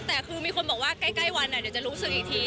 แต่คือมีคนบอกว่าใกล้วันเดี๋ยวจะรู้สึกอีกที